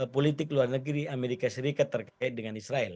politik luar negeri amerika serikat terkait dengan israel